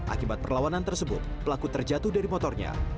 akibat perlawanan tersebut pelaku terjatuh dari motornya